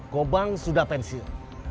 kobang sudah pensil